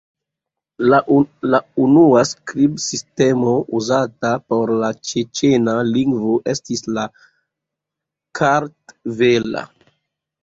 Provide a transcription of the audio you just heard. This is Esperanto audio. La unua skribsistemo uzata por la ĉeĉena lingvo estis la kartvela.